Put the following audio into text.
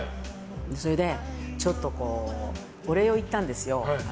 それで、ちょっとお礼を言ったんです。